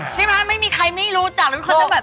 ใช่มั้ยไม่มีใครไม่รู้จักแล้วทุกคนจะแบบ